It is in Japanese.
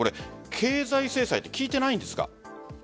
経済制裁って効いてないんですか？